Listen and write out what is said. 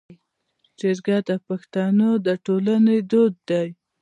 جرګه د پښتنو د ټولنې دود دی